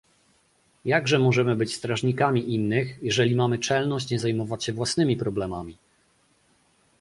Jakże możemy być strażnikami innych, jeżeli mamy czelność nie zajmować się własnymi problemami?